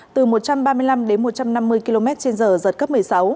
từ một trăm ba mươi năm đến một trăm năm mươi km trên giờ giật cấp một mươi sáu